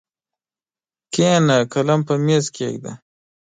کښېنه قلم پر مېز کښېږده!